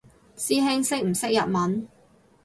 師兄識唔識日文？